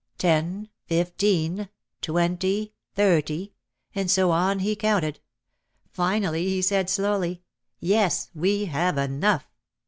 "Ten, fifteen, twenty, thirty,' 1 and so on he counted. Finally he said slowly, "Yes, we have enough."